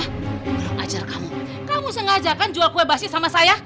kalau ngajar kamu kamu sengaja kan jual kue basi sama saya